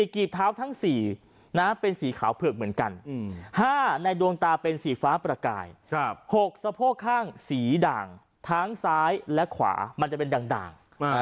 กีบเท้าทั้ง๔เป็นสีขาวเผือกเหมือนกัน๕ในดวงตาเป็นสีฟ้าประกาย๖สะโพกข้างสีด่างทั้งซ้ายและขวามันจะเป็นด่าง